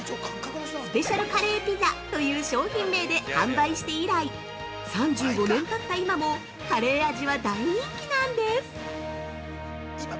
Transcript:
「スペシャルカレーピザ」という商品名で販売して以来３５年たった今もカレー味は大人気なんです。